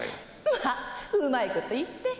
まあうまいこと言って。